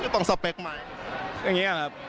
ต้องสเปคมั้ย